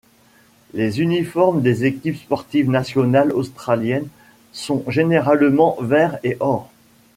Les uniformes des équipes sportives nationales australiennes sont généralement verts et or.